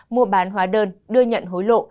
mua bán hóa đơn đưa nhận hối lộ